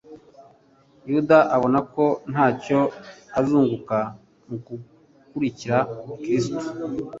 Yuda abona ko ntacyo azunguka mu gukurikira Kristo.